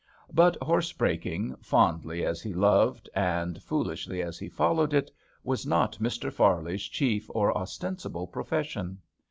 But horse breaking, fondly as he loved and foolishly as he followed it, was not Mr. Farley's chief or ostensible profession.